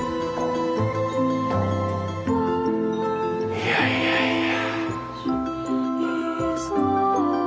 いやいやいや。